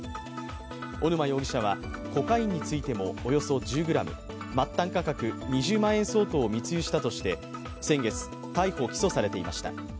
小沼容疑者はコカインについてもおよそ１０ｇ末端価格２０万円相当を密輸したとして先月、逮捕・起訴されていました。